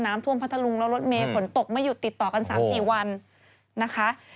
พัทธรุงแล้วรถเมย์ฝนตกไม่หยุดติดต่อกัน๓๔วันนะคะ